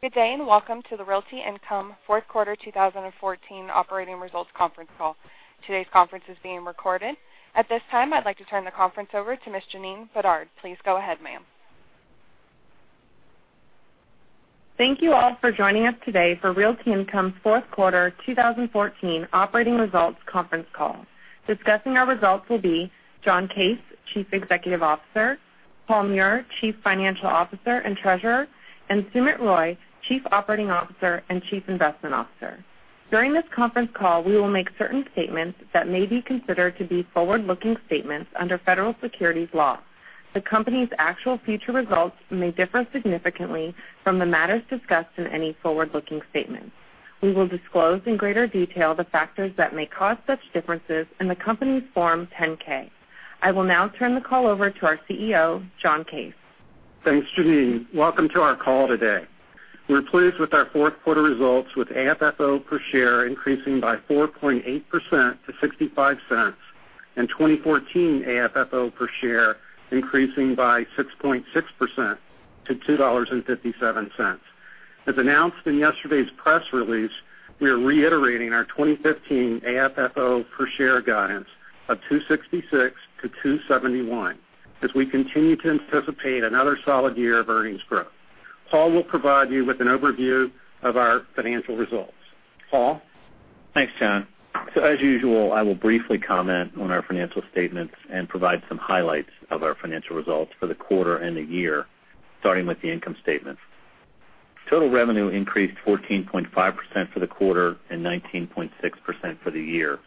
Good day, welcome to the Realty Income fourth quarter 2014 operating results conference call. Today's conference is being recorded. At this time, I'd like to turn the conference over to Ms. Janine Bedard. Please go ahead, ma'am. Thank you all for joining us today for Realty Income's fourth quarter 2014 operating results conference call. Discussing our results will be John Case, Chief Executive Officer, Paul Meurer, Chief Financial Officer and Treasurer, and Sumit Roy, Chief Operating Officer and Chief Investment Officer. During this conference call, we will make certain statements that may be considered to be forward-looking statements under federal securities law. The company's actual future results may differ significantly from the matters discussed in any forward-looking statements. We will disclose in greater detail the factors that may cause such differences in the company's Form 10-K. I will now turn the call over to our CEO, John Case. Thanks, Janine. Welcome to our call today. We're pleased with our fourth quarter results, with AFFO per share increasing by 4.8% to $0.65, and 2014 AFFO per share increasing by 6.6% to $2.57. As announced in yesterday's press release, we are reiterating our 2015 AFFO per share guidance of $2.66-$2.71, as we continue to anticipate another solid year of earnings growth. Paul will provide you with an overview of our financial results. Paul? Thanks, John. As usual, I will briefly comment on our financial statements and provide some highlights of our financial results for the quarter and the year, starting with the income statement. Total revenue increased 14.5% for the quarter and 19.6% for the year.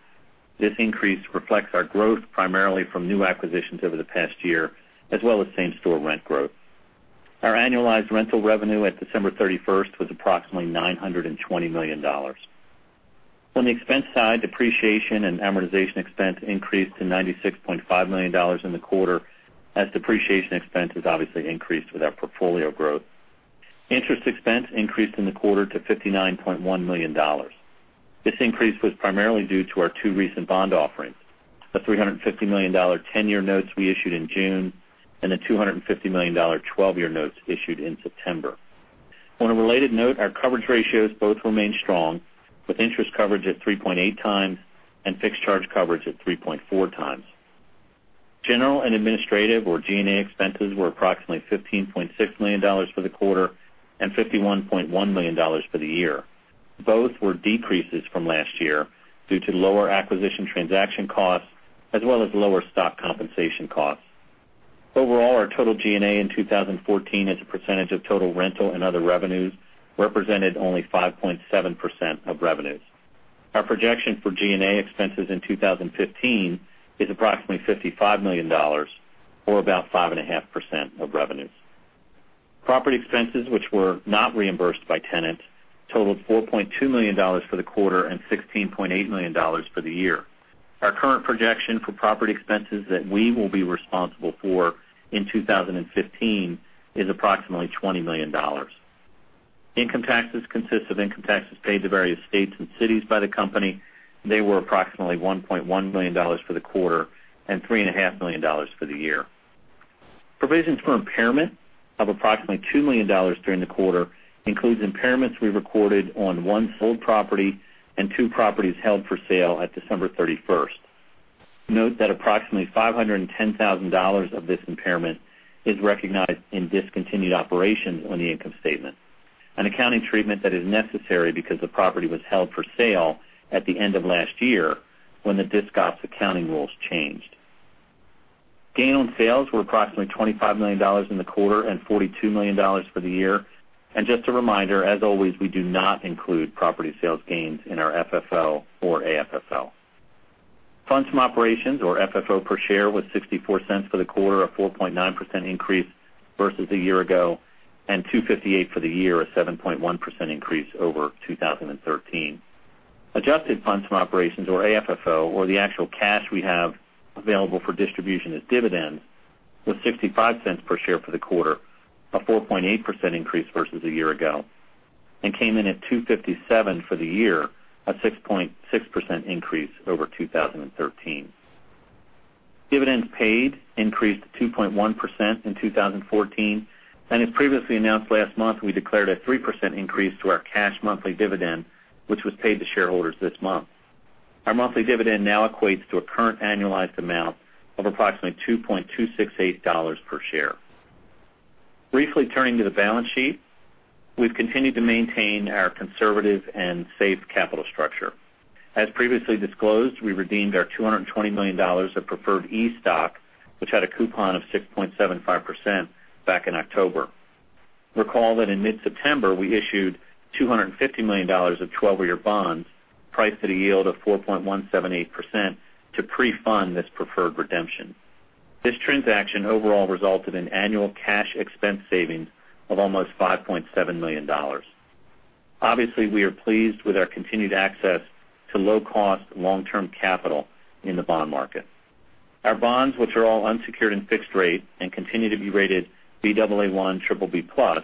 This increase reflects our growth primarily from new acquisitions over the past year, as well as same-store rent growth. Our annualized rental revenue at December 31st was approximately $920 million. On the expense side, depreciation and amortization expense increased to $96.5 million in the quarter, as depreciation expense has obviously increased with our portfolio growth. Interest expense increased in the quarter to $59.1 million. This increase was primarily due to our two recent bond offerings, the $350 million 10-year notes we issued in June, and the $250 million 12-year notes issued in September. On a related note, our coverage ratios both remain strong, with interest coverage at 3.8 times and fixed charge coverage at 3.4 times. General and administrative, or G&A expenses, were approximately $15.6 million for the quarter and $51.1 million for the year. Both were decreases from last year due to lower acquisition transaction costs as well as lower stock compensation costs. Overall, our total G&A in 2014 as a percentage of total rental and other revenues represented only 5.7% of revenues. Our projection for G&A expenses in 2015 is approximately $55 million, or about 5.5% of revenues. Property expenses, which were not reimbursed by tenants, totaled $4.2 million for the quarter and $16.8 million for the year. Our current projection for property expenses that we will be responsible for in 2015 is approximately $20 million. Income taxes consist of income taxes paid to various states and cities by the company. They were approximately $1.1 million for the quarter and $3.5 million for the year. Provisions for impairment of approximately $2 million during the quarter includes impairments we recorded on one sold property and two properties held for sale at December 31st. Note that approximately $510,000 of this impairment is recognized in discontinued operations on the income statement, an accounting treatment that is necessary because the property was held for sale at the end of last year when the disc ops accounting rules changed. Gain on sales were approximately $25 million in the quarter and $42 million for the year. Just a reminder, as always, we do not include property sales gains in our FFO or AFFO. Funds from operations, or FFO per share, was $0.64 for the quarter, a 4.9% increase versus a year ago, and $2.58 for the year, a 7.1% increase over 2013. Adjusted funds from operations or AFFO, or the actual cash we have available for distribution as dividends, was $0.65 per share for the quarter, a 4.8% increase versus a year ago, and came in at $2.57 for the year, a 6.6% increase over 2013. Dividends paid increased 2.1% in 2014. As previously announced last month, we declared a 3% increase to our cash monthly dividend, which was paid to shareholders this month. Our monthly dividend now equates to a current annualized amount of approximately $2.268 per share. Briefly turning to the balance sheet. We've continued to maintain our conservative and safe capital structure. As previously disclosed, we redeemed our $220 million of Class E preferred stock, which had a coupon of 6.75% back in October. Recall that in mid-September, we issued $250 million of 12-year bonds priced at a yield of 4.178% to pre-fund this preferred redemption. This transaction overall resulted in annual cash expense savings of almost $5.7 million. Obviously, we are pleased with our continued access to low-cost long-term capital in the bond market. Our bonds, which are all unsecured and fixed rate and continue to be rated Baa1 BBB+,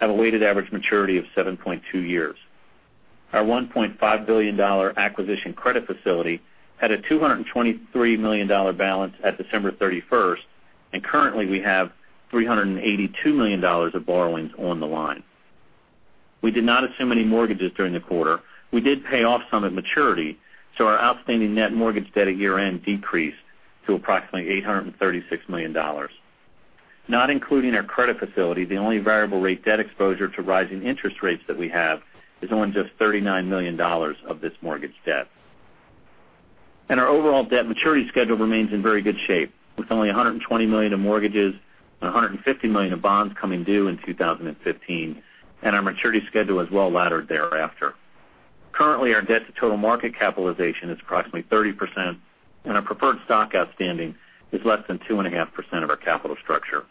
have a weighted average maturity of 7.2 years. Our $1.5 billion acquisition credit facility had a $223 million balance at December 31st. Currently we have $382 million of borrowings on the line. We did not assume any mortgages during the quarter. We did pay off some at maturity, our outstanding net mortgage debt at year-end decreased to approximately $836 million. Not including our credit facility, the only variable rate debt exposure to rising interest rates that we have is only just $39 million of this mortgage debt. Our overall debt maturity schedule remains in very good shape, with only $120 million of mortgages and $150 million of bonds coming due in 2015. Our maturity schedule is well-laddered thereafter. Currently, our debt to total market capitalization is approximately 30%. Our preferred stock outstanding is less than 2.5% of our capital structure.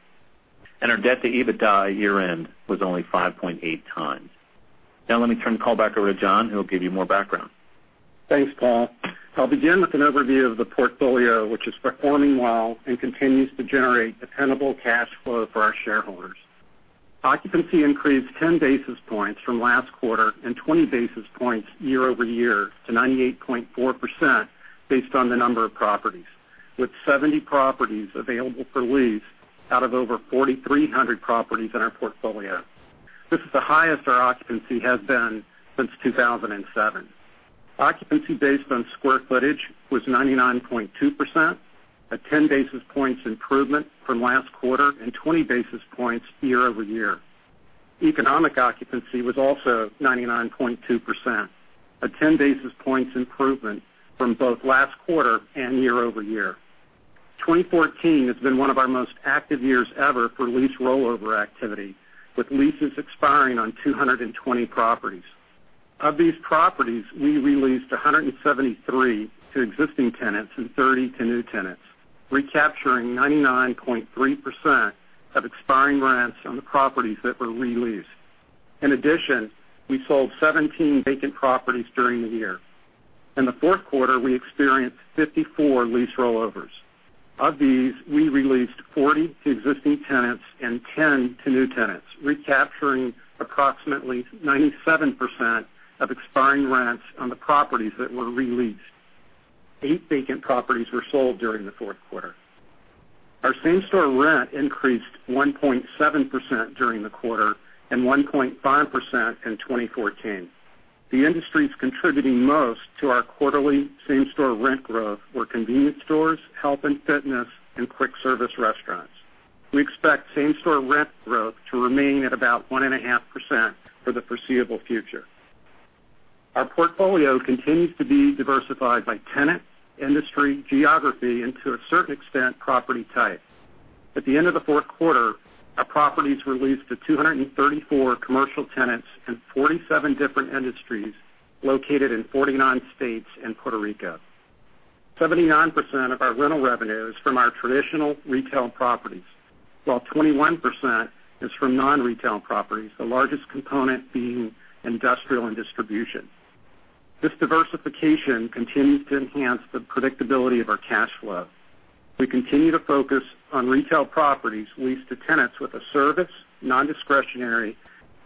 Our debt to EBITDA year-end was only 5.8 times. Now let me turn the call back over to John, who will give you more background. Thanks, Paul. I'll begin with an overview of the portfolio, which is performing well and continues to generate dependable cash flow for our shareholders. Occupancy increased 10 basis points from last quarter and 20 basis points year-over-year to 98.4% based on the number of properties, with 70 properties available for lease out of over 4,300 properties in our portfolio. This is the highest our occupancy has been since 2007. Occupancy based on square footage was 99.2%, a 10 basis points improvement from last quarter and 20 basis points year-over-year. Economic occupancy was also 99.2%, a 10 basis points improvement from both last quarter and year-over-year. 2014 has been one of our most active years ever for lease rollover activity, with leases expiring on 220 properties. Of these properties, we re-leased 173 to existing tenants and 30 to new tenants, recapturing 99.3% of expiring rents on the properties that were re-leased. In addition, we sold 17 vacant properties during the year. In the fourth quarter, we experienced 54 lease rollovers. Of these, we re-leased 40 to existing tenants and 10 to new tenants, recapturing approximately 97% of expiring rents on the properties that were re-leased. Eight vacant properties were sold during the fourth quarter. Our same-store rent increased 1.7% during the quarter and 1.5% in 2014. The industries contributing most to our quarterly same-store rent growth were convenience stores, health and fitness, and quick service restaurants. We expect same-store rent growth to remain at about 1.5% for the foreseeable future. Our portfolio continues to be diversified by tenant, industry, geography, and to a certain extent, property type. At the end of the fourth quarter, our properties were leased to 234 commercial tenants in 47 different industries located in 49 states and Puerto Rico. 79% of our rental revenue is from our traditional retail properties, while 21% is from non-retail properties, the largest component being industrial and distribution. This diversification continues to enhance the predictability of our cash flow. We continue to focus on retail properties leased to tenants with a service, non-discretionary,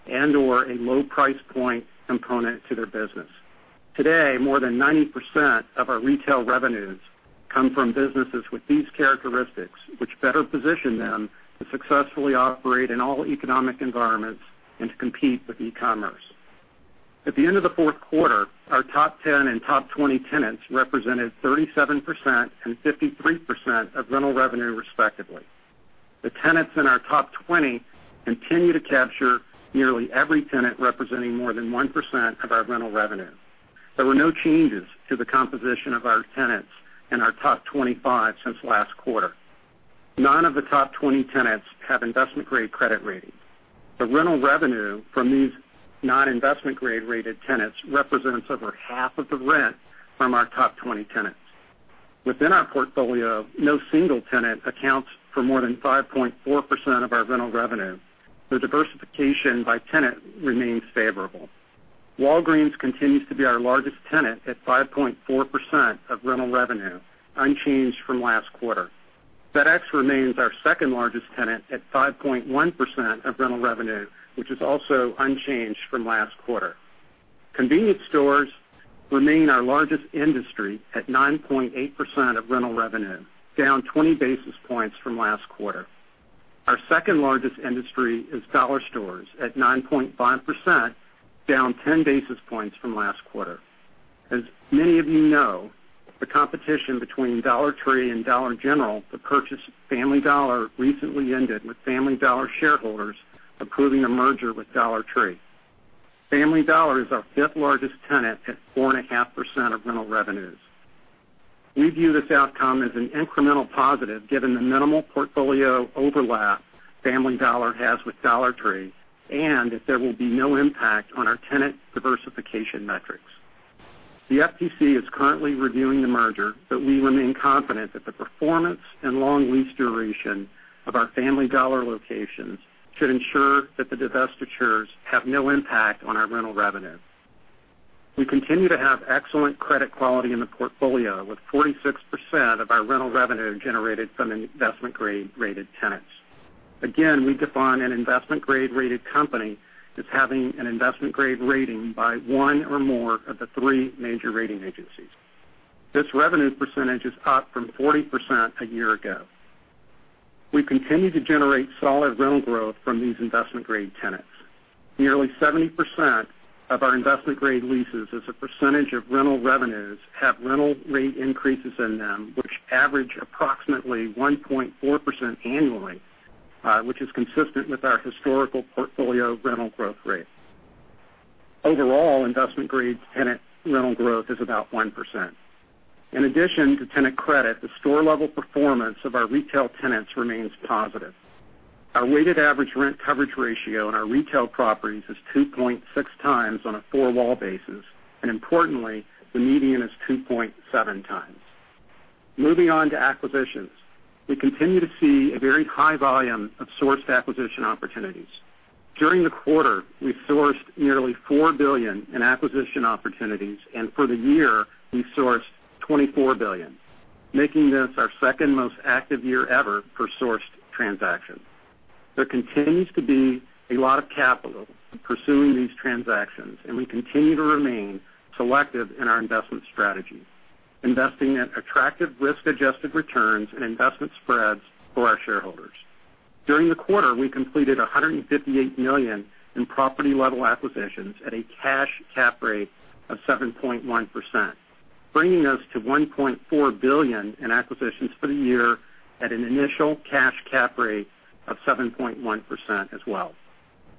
and/or a low price point component to their business. Today, more than 90% of our retail revenues come from businesses with these characteristics, which better position them to successfully operate in all economic environments and to compete with e-commerce. At the end of the fourth quarter, our top 10 and top 20 tenants represented 37% and 53% of rental revenue respectively. The tenants in our top 20 continue to capture nearly every tenant representing more than 1% of our rental revenue. There were no changes to the composition of our tenants in our top 25 since last quarter. None of the top 20 tenants have investment-grade credit ratings. The rental revenue from these non-investment grade rated tenants represents over half of the rent from our top 20 tenants. Within our portfolio, no single tenant accounts for more than 5.4% of our rental revenue. The diversification by tenant remains favorable. Walgreens continues to be our largest tenant at 5.4% of rental revenue, unchanged from last quarter. FedEx remains our second-largest tenant at 5.1% of rental revenue, which is also unchanged from last quarter. Convenience stores remain our largest industry at 9.8% of rental revenue, down 20 basis points from last quarter. Our second-largest industry is dollar stores at 9.5%, down 10 basis points from last quarter. As many of you know, the competition between Dollar Tree and Dollar General to purchase Family Dollar recently ended with Family Dollar shareholders approving a merger with Dollar Tree. Family Dollar is our fifth-largest tenant at 4.5% of rental revenues. We view this outcome as an incremental positive given the minimal portfolio overlap Family Dollar has with Dollar Tree, that there will be no impact on our tenant diversification metrics. The FTC is currently reviewing the merger, but we remain confident that the performance and long lease duration of our Family Dollar locations should ensure that the divestitures have no impact on our rental revenue. We continue to have excellent credit quality in the portfolio, with 46% of our rental revenue generated from investment-grade rated tenants. Again, we define an investment-grade rated company as having an investment-grade rating by one or more of the three major rating agencies. This revenue percentage is up from 40% a year ago. We continue to generate solid rental growth from these investment-grade tenants. Nearly 70% of our investment-grade leases as a percentage of rental revenues have rental rate increases in them, which average approximately 1.4% annually, which is consistent with our historical portfolio rental growth rate. Overall, investment-grade tenant rental growth is about 1%. In addition to tenant credit, the store-level performance of our retail tenants remains positive. Our weighted average rent coverage ratio in our retail properties is 2.6 times on a four-wall basis, importantly, the median is 2.7 times. Moving on to acquisitions. We continue to see a very high volume of sourced acquisition opportunities. During the quarter, we sourced nearly $4 billion in acquisition opportunities, for the year, we sourced $24 billion, making this our second most active year ever for sourced transactions. There continues to be a lot of capital pursuing these transactions, we continue to remain selective in our investment strategy, investing at attractive risk-adjusted returns and investment spreads for our shareholders. During the quarter, we completed $158 million in property-level acquisitions at a cash cap rate of 7.1%, bringing us to $1.4 billion in acquisitions for the year at an initial cash cap rate of 7.1% as well.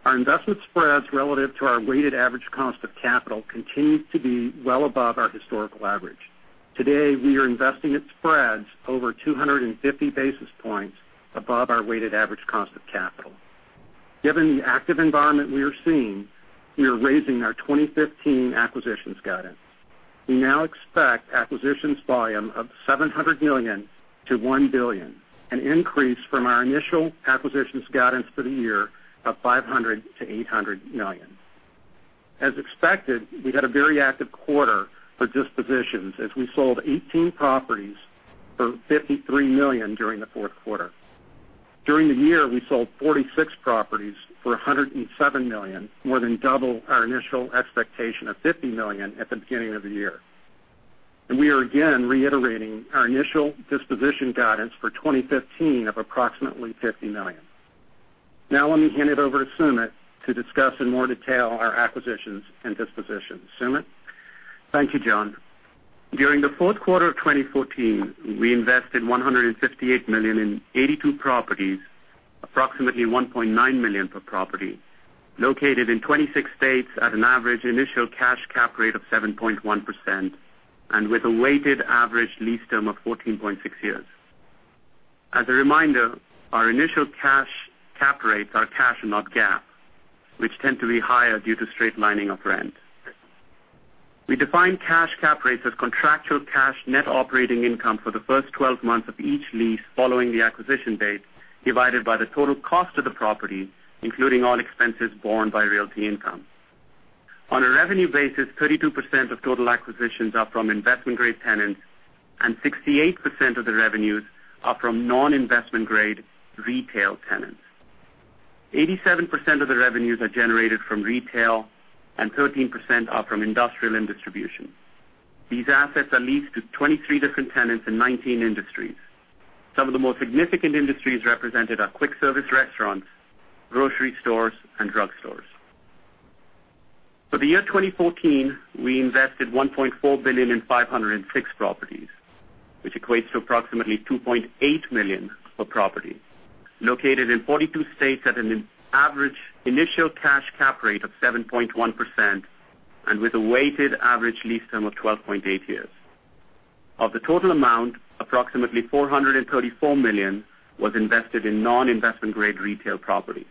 Our investment spreads relative to our weighted average cost of capital continue to be well above our historical average. Today, we are investing at spreads over 250 basis points above our weighted average cost of capital. Given the active environment we are seeing, we are raising our 2015 acquisitions guidance. We now expect acquisitions volume of $700 million-$1 billion, an increase from our initial acquisitions guidance for the year of $500 million-$800 million. As expected, we had a very active quarter for dispositions as we sold 18 properties for $53 million during the fourth quarter. During the year, we sold 46 properties for $107 million, more than double our initial expectation of $50 million at the beginning of the year. We are again reiterating our initial disposition guidance for 2015 of approximately $50 million. Now let me hand it over to Sumit to discuss in more detail our acquisitions and dispositions. Sumit? Thank you, John. During the fourth quarter of 2014, we invested $158 million in 82 properties, approximately $1.9 million per property, located in 26 states at an average initial cash cap rate of 7.1%, and with a weighted average lease term of 14.6 years. As a reminder, our initial cash cap rates are cash and not GAAP, which tend to be higher due to straight lining of rent. We define cash cap rates as contractual cash net operating income for the first 12 months of each lease following the acquisition date, divided by the total cost of the property, including all expenses borne by Realty Income. On a revenue basis, 32% of total acquisitions are from investment-grade tenants, and 68% of the revenues are from non-investment grade retail tenants. 87% of the revenues are generated from retail, and 13% are from industrial and distribution. These assets are leased to 23 different tenants in 19 industries. Some of the more significant industries represented are quick service restaurants, grocery stores, and drugstores. For the year 2014, we invested $1.4 billion in 506 properties, which equates to approximately $2.8 million per property, located in 42 states at an average initial cash cap rate of 7.1%, and with a weighted average lease term of 12.8 years. Of the total amount, approximately $434 million was invested in non-investment grade retail properties.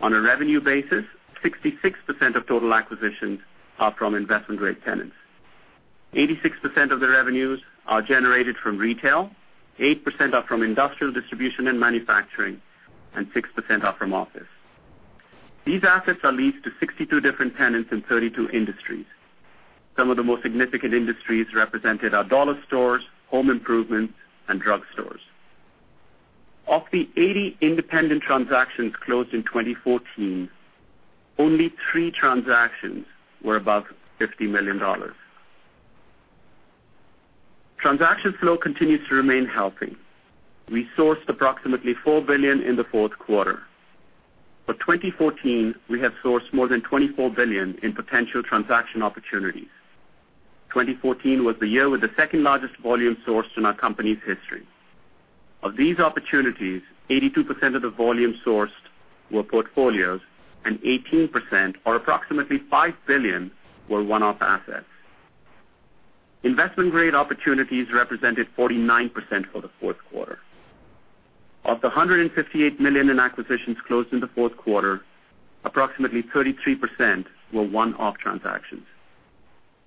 On a revenue basis, 66% of total acquisitions are from investment-grade tenants. 86% of the revenues are generated from retail, 8% are from industrial distribution and manufacturing, and 6% are from office. These assets are leased to 62 different tenants in 32 industries. Some of the more significant industries represented are dollar stores, home improvements, and drugstores. Of the 80 independent transactions closed in 2014, only three transactions were above $50 million. Transaction flow continues to remain healthy. We sourced approximately $4 billion in the fourth quarter. For 2014, we have sourced more than $24 billion in potential transaction opportunities. 2014 was the year with the second-largest volume sourced in our company's history. Of these opportunities, 82% of the volume sourced were portfolios, and 18%, or approximately $5 billion, were one-off assets. Investment-grade opportunities represented 49% for the fourth quarter. Of the $158 million in acquisitions closed in the fourth quarter, approximately 33% were one-off transactions.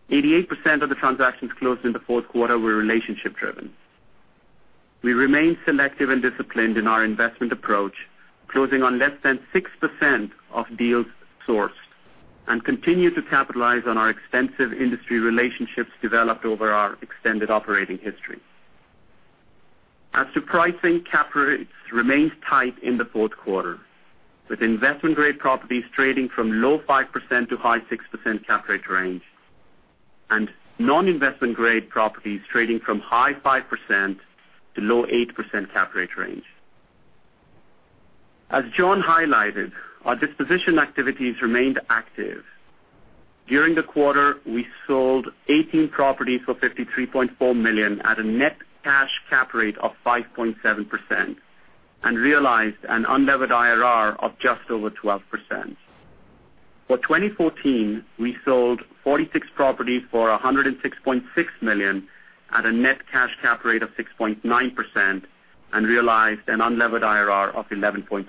88% of the transactions closed in the fourth quarter were relationship-driven. We remain selective and disciplined in our investment approach, closing on less than 6% of deals sourced. Continue to capitalize on our extensive industry relationships developed over our extended operating history. As to pricing, cap rates remained tight in the fourth quarter, with investment-grade properties trading from low 5% to high 6% cap rate range, and non-investment grade properties trading from high 5% to low 8% cap rate range. As John highlighted, our disposition activities remained active. During the quarter, we sold 18 properties for $53.4 million at a net cash cap rate of 5.7% and realized an unlevered IRR of just over 12%. For 2014, we sold 46 properties for $106.6 million at a net cash cap rate of 6.9% and realized an unlevered IRR of 11.6%.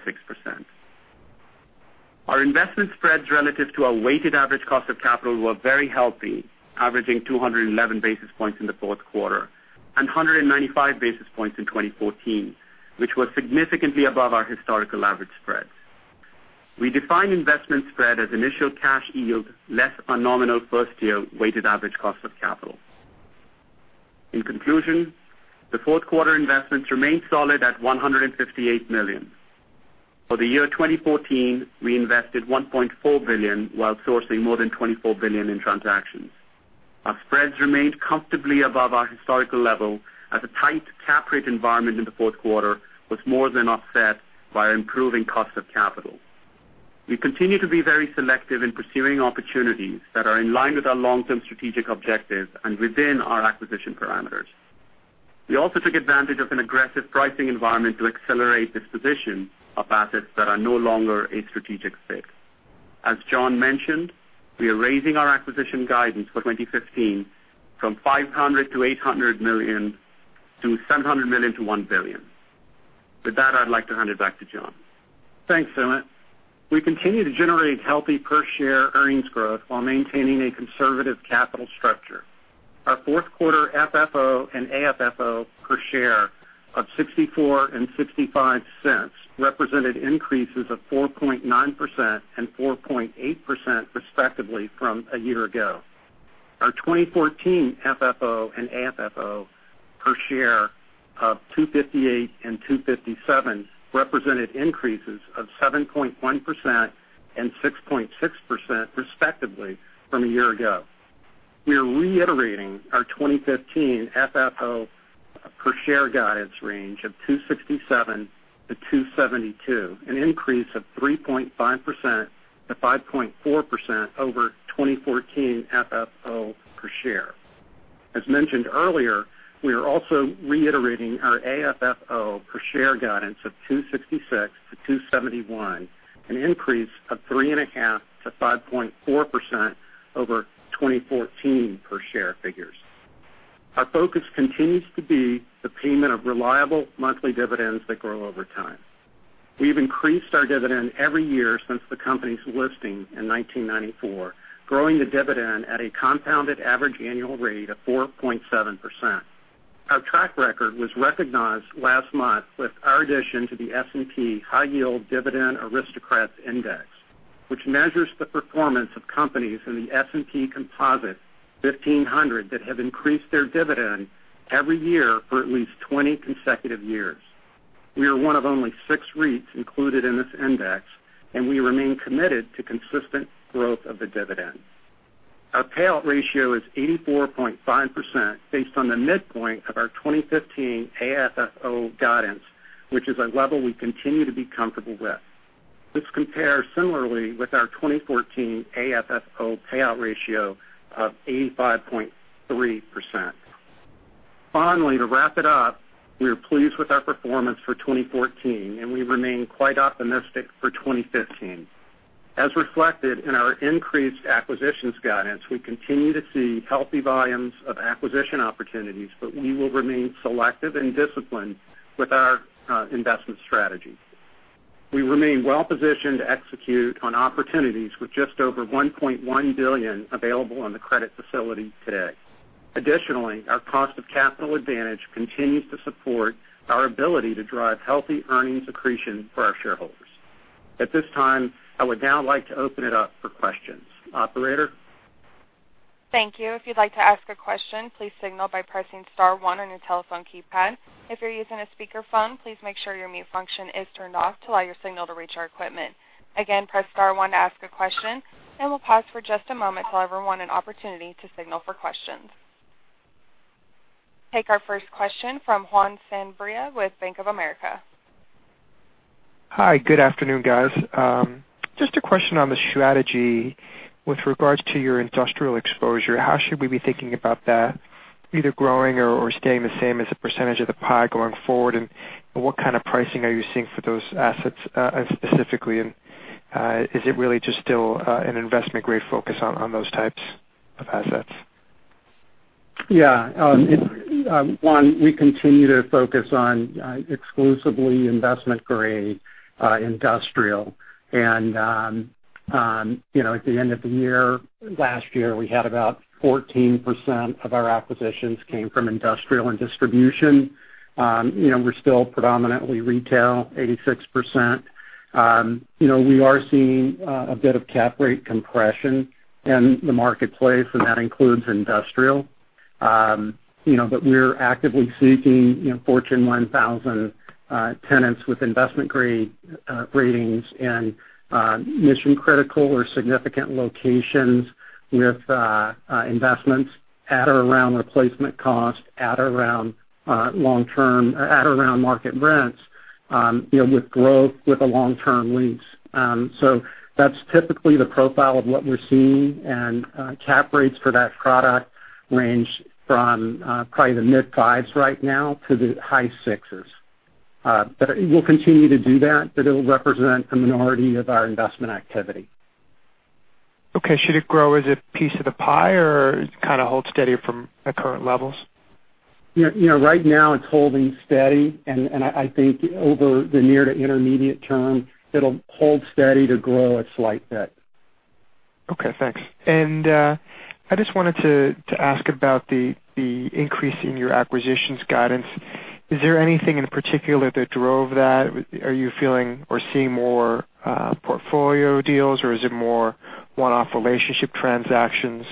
Our investment spreads relative to our weighted average cost of capital were very healthy, averaging 211 basis points in the fourth quarter and 195 basis points in 2014, which was significantly above our historical average spreads. We define investment spread as initial cash yield less a nominal first-year weighted average cost of capital. In conclusion, the fourth quarter investments remained solid at $158 million. For the year 2014, we invested $1.4 billion while sourcing more than $24 billion in transactions. Our spreads remained comfortably above our historical level as a tight cap rate environment in the fourth quarter was more than offset by improving cost of capital. We continue to be very selective in pursuing opportunities that are in line with our long-term strategic objectives and within our acquisition parameters. We also took advantage of an aggressive pricing environment to accelerate disposition of assets that are no longer a strategic fit. As John mentioned, we are raising our acquisition guidance for 2015 from $500 million-$800 million to $700 million-$1 billion. With that, I'd like to hand it back to John. Thanks, Sumit. We continue to generate healthy per share earnings growth while maintaining a conservative capital structure. Our fourth quarter FFO and AFFO per share of $0.64 and $0.65 represented increases of 4.9% and 4.8% respectively from a year ago. Our 2014 FFO and AFFO per share of $2.58 and $2.57 represented increases of 7.1% and 6.6% respectively from a year ago. We are reiterating our 2015 FFO per share guidance range of $2.67-$2.72, an increase of 3.5%-5.4% over 2014 FFO per share. As mentioned earlier, we are also reiterating our AFFO per share guidance of $2.66-$2.71, an increase of 3.5%-5.4% over 2014 per share figures. Our focus continues to be the payment of reliable monthly dividends that grow over time. We've increased our dividend every year since the company's listing in 1994, growing the dividend at a compounded average annual rate of 4.7%. Our track record was recognized last month with our addition to the S&P High Yield Dividend Aristocrats Index, which measures the performance of companies in the S&P Composite 1500 that have increased their dividend every year for at least 20 consecutive years. We are one of only six REITs included in this index, and we remain committed to consistent growth of the dividend. Our payout ratio is 84.5% based on the midpoint of our 2015 AFFO guidance, which is a level we continue to be comfortable with. This compares similarly with our 2014 AFFO payout ratio of 85.3%. Finally, to wrap it up, we are pleased with our performance for 2014, and we remain quite optimistic for 2015. As reflected in our increased acquisitions guidance, we continue to see healthy volumes of acquisition opportunities. We will remain selective and disciplined with our investment strategy. We remain well-positioned to execute on opportunities with just over $1.1 billion available on the credit facility today. Additionally, our cost of capital advantage continues to support our ability to drive healthy earnings accretion for our shareholders. At this time, I would now like to open it up for questions. Operator? Thank you. If you'd like to ask a question, please signal by pressing *1 on your telephone keypad. If you're using a speakerphone, please make sure your mute function is turned off to allow your signal to reach our equipment. Again, press *1 to ask a question, and we'll pause for just a moment to allow everyone an opportunity to signal for questions. Take our first question from Juan Sanabria with Bank of America. Hi. Good afternoon, guys. Just a question on the strategy with regards to your industrial exposure. How should we be thinking about that either growing or staying the same as a percentage of the pie going forward? What kind of pricing are you seeing for those assets specifically? Is it really just still an investment-grade focus on those types of assets? Yeah. Juan, we continue to focus on exclusively investment-grade industrial. At the end of the year, last year, we had about 14% of our acquisitions came from industrial and distribution. We're still predominantly retail, 86%. We are seeing a bit of cap rate compression in the marketplace. That includes industrial. We're actively seeking Fortune 1000 tenants with investment-grade ratings and mission-critical or significant locations with investments at or around replacement cost, at or around market rents, with growth with the long-term lease. That's typically the profile of what we're seeing, and cap rates for that product range from probably the mid-fives right now to the high sixes. We'll continue to do that, but it'll represent a minority of our investment activity. Okay. Should it grow as a piece of the pie or kind of hold steady from the current levels? Right now it's holding steady. I think over the near to intermediate term, it'll hold steady to grow a slight bit. Okay, thanks. I just wanted to ask about the increase in your acquisitions guidance. Is there anything in particular that drove that? Are you feeling or seeing more portfolio deals, or is it more one-off relationship transactions?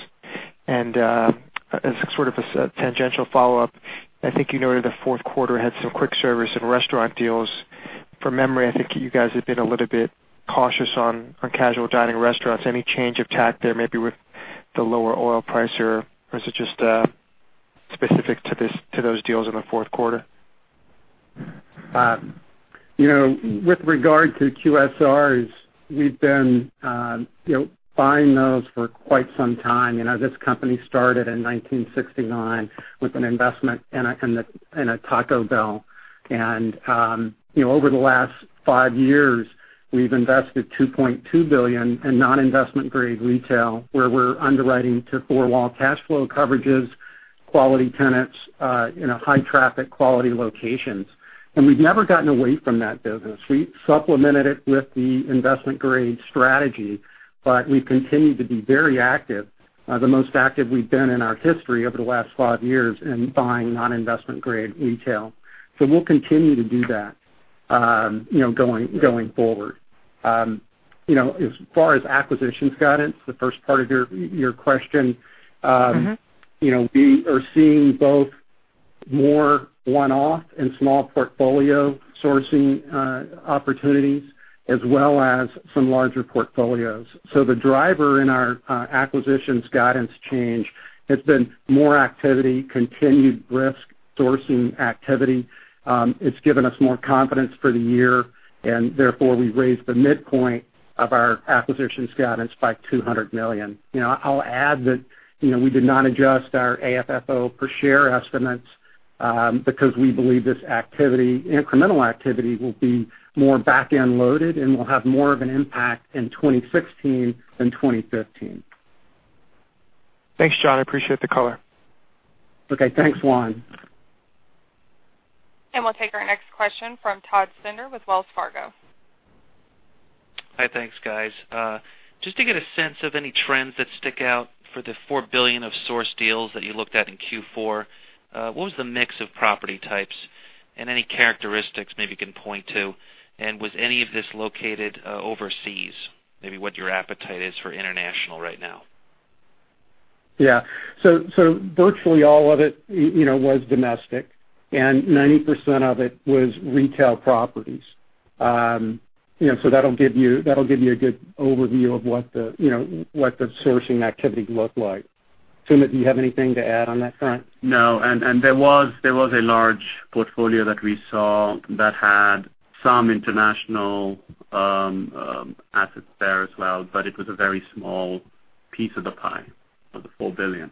As sort of a tangential follow-up, I think you noted the fourth quarter had some quick service and restaurant deals. From memory, I think you guys have been a little bit cautious on casual dining restaurants. Any change of tact there, maybe with the lower oil price, or is it just specific to those deals in the fourth quarter? With regard to QSRs, we've been buying those for quite some time. This company started in 1969 with an investment in a Taco Bell. Over the last five years, we've invested $2.2 billion in non-investment-grade retail, where we're underwriting to four-wall cash flow coverages, quality tenants in high-traffic quality locations. We've never gotten away from that business. We supplemented it with the investment-grade strategy, but we've continued to be very active, the most active we've been in our history over the last five years in buying non-investment-grade retail. We'll continue to do that going forward. As far as acquisitions guidance, the first part of your question- We are seeing both more one-off and small portfolio sourcing opportunities, as well as some larger portfolios. The driver in our acquisitions guidance change has been more activity, continued risk sourcing activity. It's given us more confidence for the year, therefore we've raised the midpoint of our acquisitions guidance by $200 million. I'll add that we did not adjust our AFFO per share estimates because we believe this incremental activity will be more back-end loaded and will have more of an impact in 2016 than 2015. Thanks, John. I appreciate the color. Okay. Thanks, Juan. We'll take our next question from Todd Sinder with Wells Fargo. Hi. Thanks, guys. Just to get a sense of any trends that stick out for the $4 billion of source deals that you looked at in Q4, what was the mix of property types, and any characteristics maybe you can point to? Was any of this located overseas? Maybe what your appetite is for international right now. Yeah. Virtually all of it was domestic, and 90% of it was retail properties. That'll give you a good overview of what the sourcing activity looked like. Sumit, do you have anything to add on that front? No. There was a large portfolio that we saw that had some international assets there as well, but it was a very small piece of the pie of the $4 billion.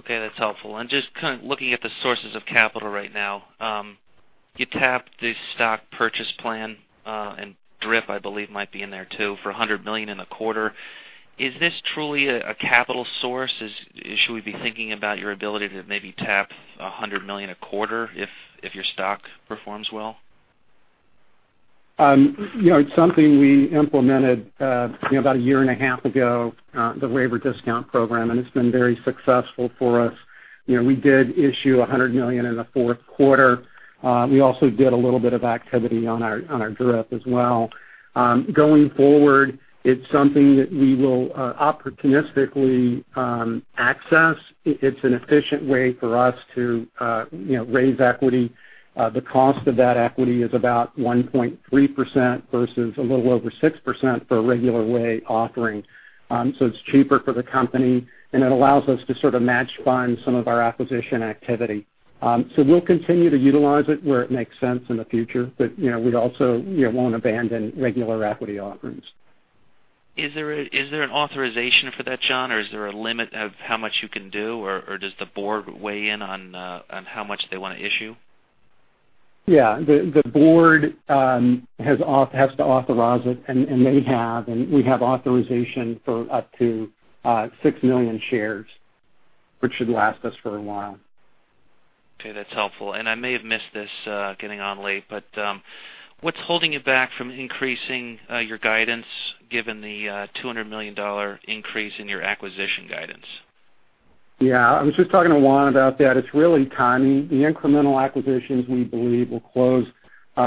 Okay. That's helpful. Just kind of looking at the sources of capital right now. You tapped the stock purchase plan, and DRIP, I believe, might be in there too, for $100 million in a quarter. Is this truly a capital source? Should we be thinking about your ability to maybe tap $100 million a quarter if your stock performs well? It's something we implemented about a year and a half ago, the waiver discount program, and it's been very successful for us. We did issue $100 million in the fourth quarter. We also did a little bit of activity on our DRIP as well. Going forward, it's something that we will opportunistically access. It's an efficient way for us to raise equity. The cost of that equity is about 1.3% versus a little over 6% for a regular way offering. It's cheaper for the company, and it allows us to sort of match-fund some of our acquisition activity. We'll continue to utilize it where it makes sense in the future, but we also won't abandon regular equity offerings. Is there an authorization for that, John, or is there a limit of how much you can do, or does the board weigh in on how much they want to issue? Yeah. The board has to authorize it, and they have. We have authorization for up to six million shares, which should last us for a while. Okay. That's helpful. I may have missed this getting on late, what's holding you back from increasing your guidance given the $200 million increase in your acquisition guidance? Yeah. I was just talking to Juan about that. It's really timing. The incremental acquisitions, we believe, will close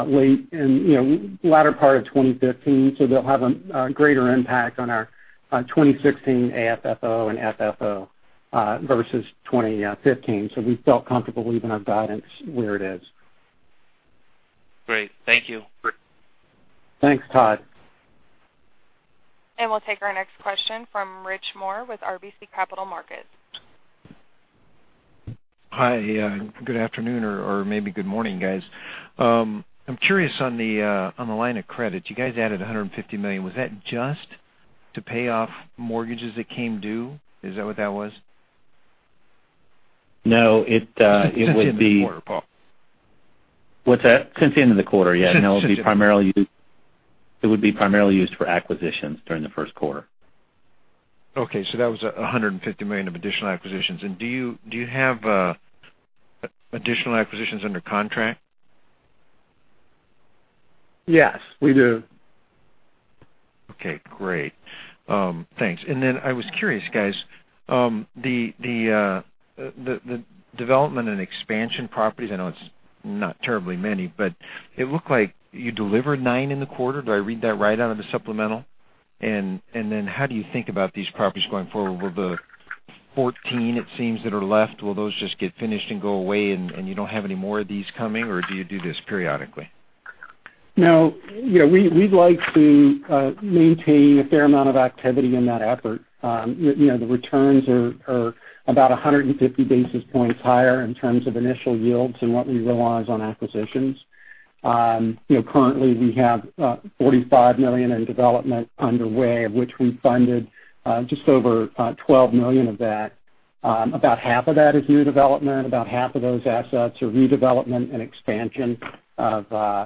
late in the latter part of 2015, they'll have a greater impact on our 2016 AFFO and FFO versus 2015. We felt comfortable leaving our guidance where it is. Great. Thank you. Thanks, Todd. We'll take our next question from Rich Moore with RBC Capital Markets. Hi. Good afternoon, or maybe good morning, guys. I'm curious on the line of credit. You guys added $150 million. Was that just to pay off mortgages that came due? Is that what that was? No. Since the end of the quarter, Paul. What's that? Since the end of the quarter, yeah. No, it would be primarily used for acquisitions during the first quarter. Okay. That was $150 million of additional acquisitions. Do you have additional acquisitions under contract? Yes, we do. Okay, great. Thanks. I was curious, guys. The development and expansion properties, I know it's not terribly many, but it looked like you delivered nine in the quarter. Do I read that right out of the supplemental? How do you think about these properties going forward? Will the 14 it seems that are left, will those just get finished and go away and you don't have any more of these coming, or do you do this periodically? No. We'd like to maintain a fair amount of activity in that effort. The returns are about 150 basis points higher in terms of initial yields than what we realize on acquisitions. Currently, we have $45 million in development underway, of which we funded just over $12 million of that. About half of that is new development. About half of those assets are redevelopment and expansion of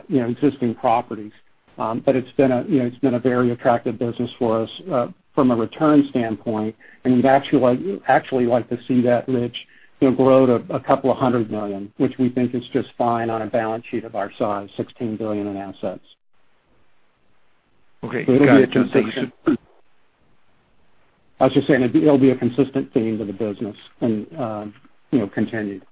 existing properties. It's been a very attractive business for us from a return standpoint, and we'd actually like to see that, Rich, grow to a couple of hundred million, which we think is just fine on a balance sheet of our size, $16 billion in assets. Okay. Got it. I was just saying, it'll be a consistent theme to the business and continued.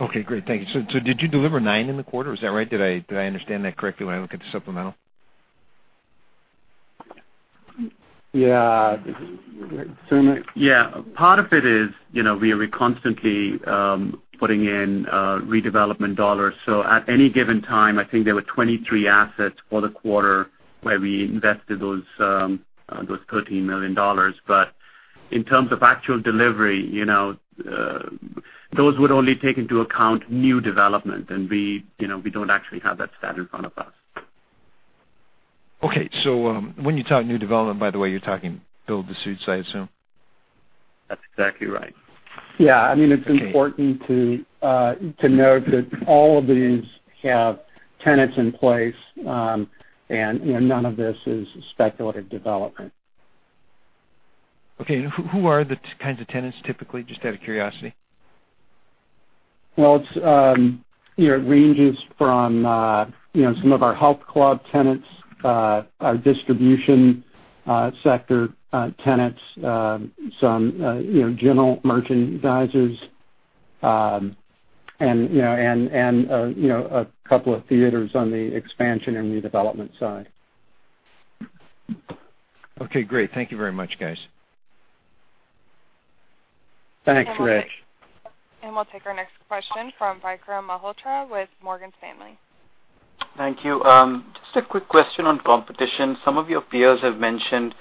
Okay, great. Thank you. Did you deliver nine in the quarter? Is that right? Did I understand that correctly when I look at the supplemental? Yeah. Sumit? Yeah. Part of it is, we are constantly putting in redevelopment dollars. At any given time, I think there were 23 assets for the quarter where we invested those $13 million. In terms of actual delivery, those would only take into account new development, and we don't actually have that stat in front of us. Okay. When you talk new development, by the way, you're talking build-to-suit site. That's exactly right. Yeah. It's important to note that all of these have tenants in place, and none of this is speculative development. Okay. Who are the kinds of tenants, typically, just out of curiosity? Well, it ranges from some of our health club tenants, our distribution sector tenants, some general merchandisers, and a couple of theaters on the expansion and new development side. Okay, great. Thank you very much, guys. Thanks, Rich. We'll take our next question from Vikram Malhotra with Morgan Stanley. Thank you. Just a quick question on competition. Some of your peers have mentioned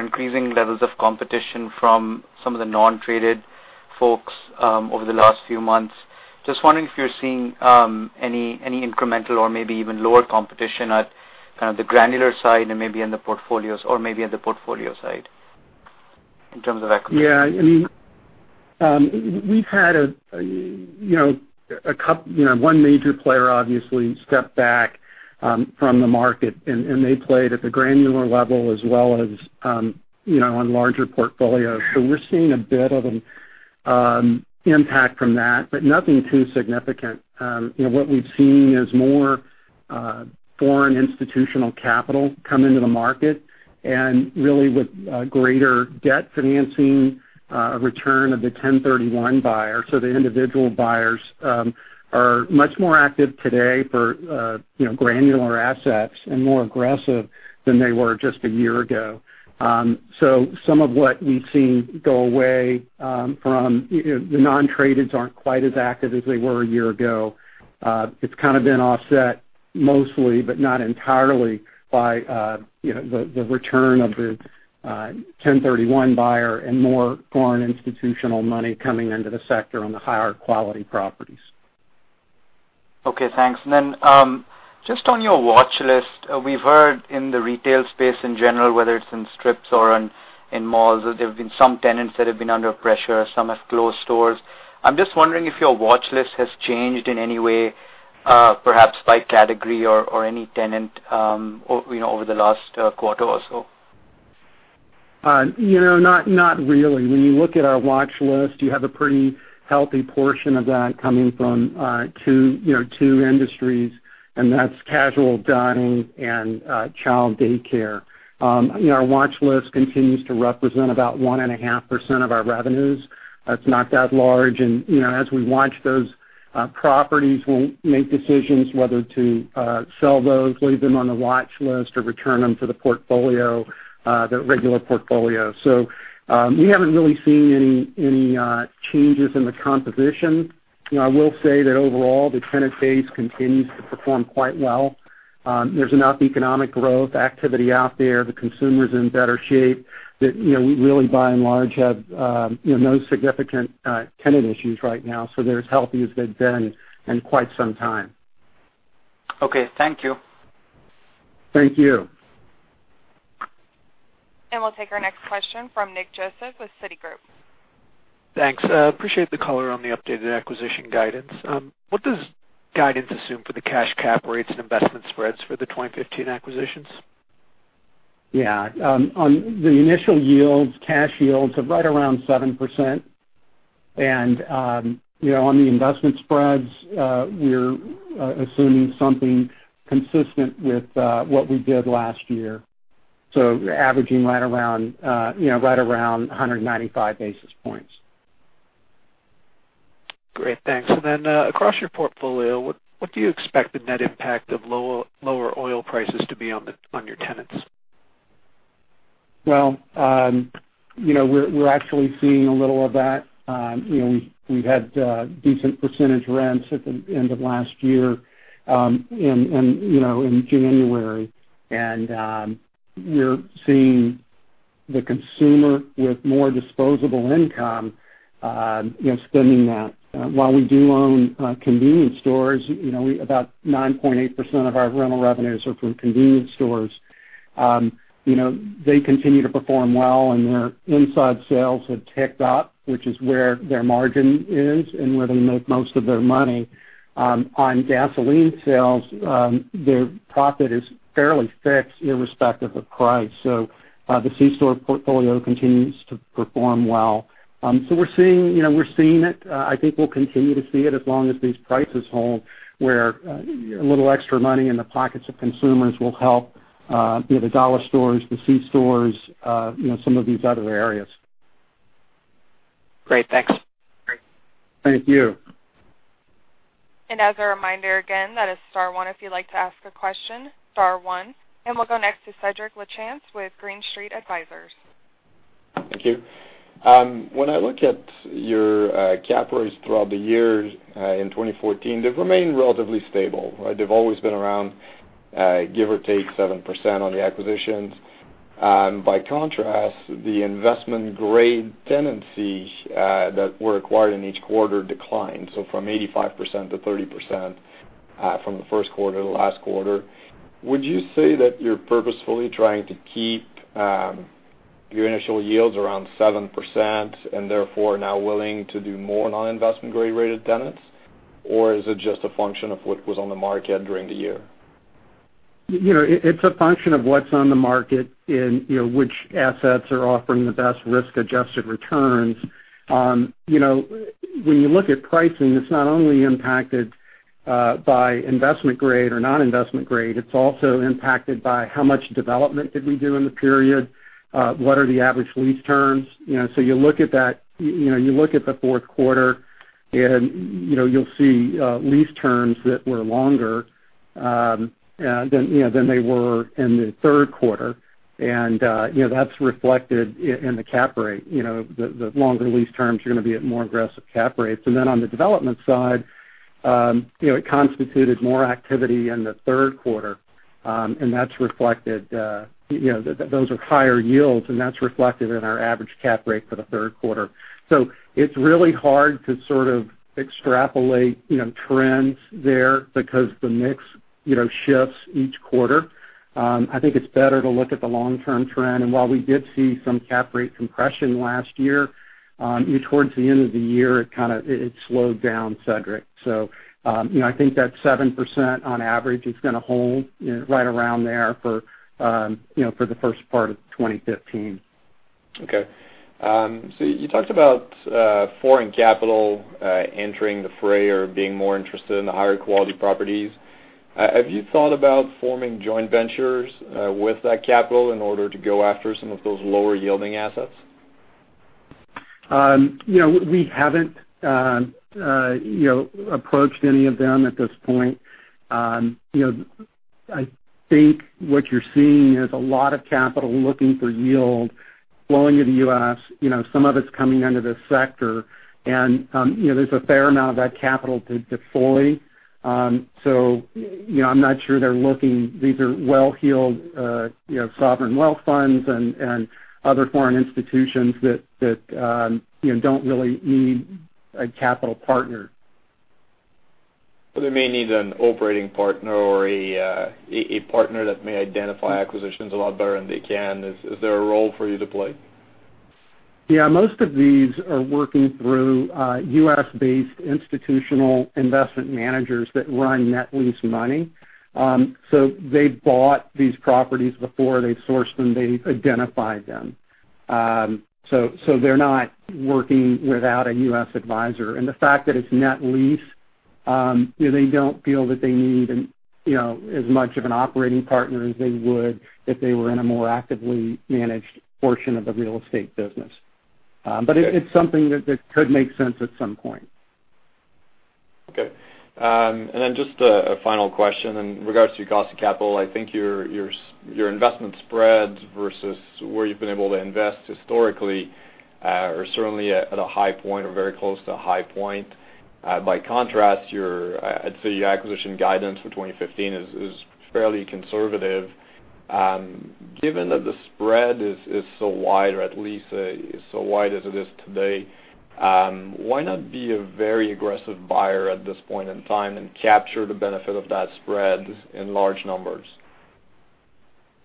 increasing levels of competition from some of the non-tradeds over the last few months. Just wondering if you're seeing any incremental or maybe even lower competition at kind of the granular side and maybe in the portfolios or maybe at the portfolio side in terms of acquisition. Yeah. We've had one major player obviously step back from the market, and they played at the granular level as well as on larger portfolios. We're seeing a bit of an impact from that, but nothing too significant. What we've seen is more foreign institutional capital come into the market, and really with greater debt financing, a return of the 1031 buyer. The individual buyers are much more active today for granular assets and more aggressive than they were just a year ago. Some of what we've seen go away from the non-tradeds aren't quite as active as they were a year ago. It's kind of been offset mostly, but not entirely by the return of the 1031 buyer and more foreign institutional money coming into the sector on the higher quality properties. Okay, thanks. Just on your watch list, we've heard in the retail space in general, whether it's in strips or in malls, that there have been some tenants that have been under pressure. Some have closed stores. I'm just wondering if your watch list has changed in any way, perhaps by category or any tenant over the last quarter or so. Not really. When you look at our watch list, you have a pretty healthy portion of that coming from two industries, and that's casual dining and child daycare. Our watch list continues to represent about 1.5% of our revenues. That's not that large. As we watch those properties, we'll make decisions whether to sell those, leave them on the watch list, or return them to the portfolio, the regular portfolio. We haven't really seen any changes in the composition I will say that overall, the tenant base continues to perform quite well. There's enough economic growth activity out there. The consumer's in better shape. We really, by and large, have no significant tenant issues right now. They're as healthy as they've been in quite some time. Okay. Thank you. Thank you. We'll take our next question from Nick Joseph with Citigroup. Thanks. Appreciate the color on the updated acquisition guidance. What does guidance assume for the cash cap rates and investment spreads for the 2015 acquisitions? Yeah. On the initial yields, cash yields of right around 7%. On the investment spreads, we're assuming something consistent with what we did last year. Averaging right around 195 basis points. Great, thanks. Across your portfolio, what do you expect the net impact of lower oil prices to be on your tenants? Well, we're actually seeing a little of that. We've had decent percentage rents at the end of last year, in January. We're seeing the consumer with more disposable income, spending that. While we do own convenience stores, about 9.8% of our rental revenues are from convenience stores. They continue to perform well, and their inside sales have ticked up, which is where their margin is and where they make most of their money. On gasoline sales, their profit is fairly fixed irrespective of price. The C-store portfolio continues to perform well. We're seeing it. I think we'll continue to see it as long as these prices hold, where a little extra money in the pockets of consumers will help, the dollar stores, the C stores, some of these other areas. Great. Thanks. Thank you. As a reminder, again, that is star one if you'd like to ask a question, star one. We'll go next to Cedrik Lachance with Green Street Advisors. Thank you. When I look at your cap rates throughout the year in 2014, they've remained relatively stable, right? They've always been around give or take 7% on the acquisitions. By contrast, the investment-grade tenancy that were acquired in each quarter declined. From 85% to 30% from the first quarter to last quarter. Would you say that you're purposefully trying to keep your initial yields around 7% and therefore now willing to do more non-investment-grade rated tenants? Is it just a function of what was on the market during the year? It's a function of what's on the market and which assets are offering the best risk-adjusted returns. When you look at pricing, it's not only impacted by investment-grade or non-investment-grade, it's also impacted by how much development did we do in the period, what are the average lease terms. You look at the fourth quarter, and you'll see lease terms that were longer than they were in the third quarter. That's reflected in the cap rate. The longer lease terms are going to be at more aggressive cap rates. Then on the development side, it constituted more activity in the third quarter. Those are higher yields, and that's reflected in our average cap rate for the third quarter. It's really hard to sort of extrapolate trends there because the mix shifts each quarter. I think it's better to look at the long-term trend. While we did see some cap rate compression last year, towards the end of the year, it slowed down, Cedrik. I think that 7% on average is going to hold right around there for the first part of 2015. Okay. You talked about foreign capital entering the fray or being more interested in the higher-quality properties. Have you thought about forming joint ventures with that capital in order to go after some of those lower-yielding assets? We haven't approached any of them at this point. I think what you're seeing is a lot of capital looking for yield flowing to the U.S., some of it's coming under this sector. There's a fair amount of that capital to deploy. These are well-heeled sovereign wealth funds and other foreign institutions that don't really need a capital partner. They may need an operating partner or a partner that may identify acquisitions a lot better than they can. Is there a role for you to play? Yeah, most of these are working through U.S.-based institutional investment managers that run net lease money. They bought these properties before, they sourced them, they identified them. They're not working without a U.S. advisor. The fact that it's net lease, they don't feel that they need as much of an operating partner as they would if they were in a more actively managed portion of the real estate business. It's something that could make sense at some point. Okay. Just a final question in regards to your cost of capital. I think your investment spreads versus where you've been able to invest historically are certainly at a high point or very close to a high point. By contrast, I'd say your acquisition guidance for 2015 is fairly conservative. Given that the spread is so wide, or at least is so wide as it is today, why not be a very aggressive buyer at this point in time and capture the benefit of that spread in large numbers?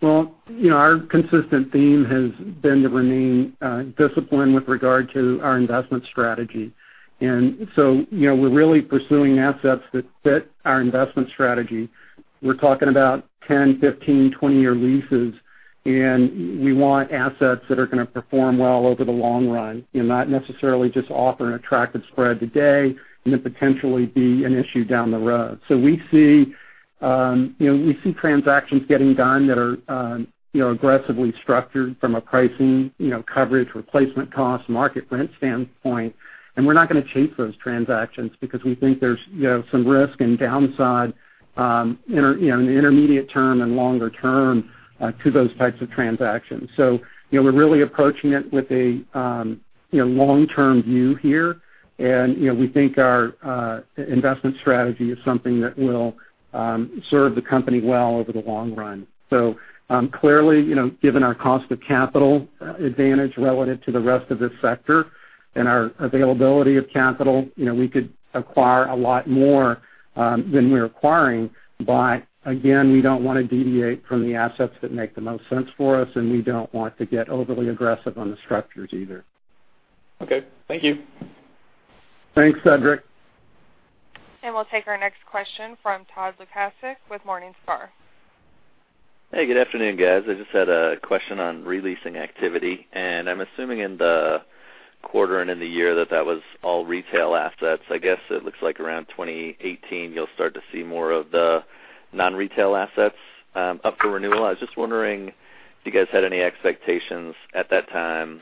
Well, our consistent theme has been to remain disciplined with regard to our investment strategy. We're really pursuing assets that fit our investment strategy. We're talking about 10, 15, 20-year leases, we want assets that are going to perform well over the long run and not necessarily just offer an attractive spread today and then potentially be an issue down the road. We see transactions getting done that are aggressively structured from a pricing, coverage, replacement cost, market rent standpoint, we're not going to chase those transactions because we think there's some risk and downside in the intermediate term and longer term to those types of transactions. We're really approaching it with a long-term view here. We think our investment strategy is something that will serve the company well over the long run. Clearly, given our cost of capital advantage relative to the rest of this sector and our availability of capital, we could acquire a lot more than we're acquiring. Again, we don't want to deviate from the assets that make the most sense for us, we don't want to get overly aggressive on the structures either. Okay. Thank you. Thanks, Cedrik. We'll take our next question from Todd Lukascik with Morningstar. Hey, good afternoon, guys. I just had a question on re-leasing activity, and I'm assuming in the quarter and in the year that that was all retail assets. I guess it looks like around 2018 you'll start to see more of the non-retail assets up for renewal. I was just wondering if you guys had any expectations at that time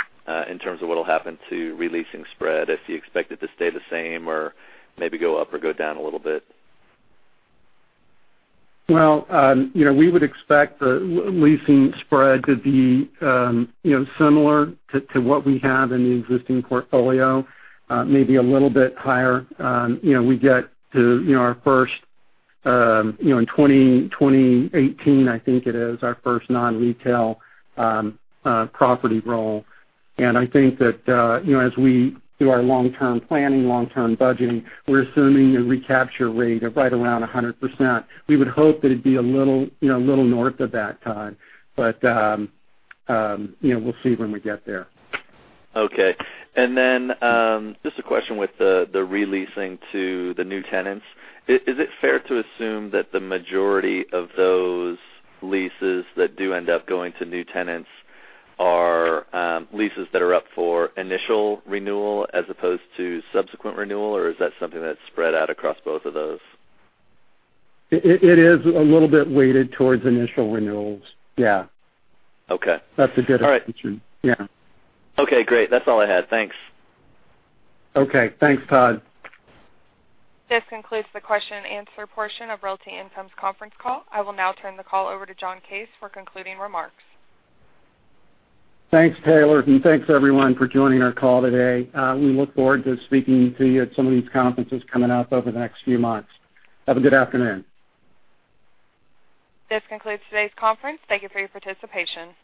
in terms of what'll happen to re-leasing spread, if you expect it to stay the same or maybe go up or go down a little bit. Well, we would expect the leasing spread to be similar to what we have in the existing portfolio, maybe a little bit higher. We get to our first, in 2018, I think it is, our first non-retail property roll. I think that as we do our long-term planning, long-term budgeting, we're assuming a recapture rate of right around 100%. We would hope that it'd be a little north of that, Todd, but we'll see when we get there. Okay. Then just a question with the re-leasing to the new tenants. Is it fair to assume that the majority of those leases that do end up going to new tenants are leases that are up for initial renewal as opposed to subsequent renewal, or is that something that's spread out across both of those? It is a little bit weighted towards initial renewals. Yeah. Okay. That's a good assumption. Yeah. Okay, great. That's all I had. Thanks. Okay. Thanks, Todd. This concludes the question and answer portion of Realty Income's conference call. I will now turn the call over to John Case for concluding remarks. Thanks, Taylor, and thanks everyone for joining our call today. We look forward to speaking to you at some of these conferences coming up over the next few months. Have a good afternoon. This concludes today's conference. Thank you for your participation.